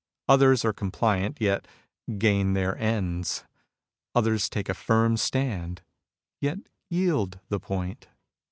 Others are compliant, yet gain their ends. Others take a firm stand, yet yield the point.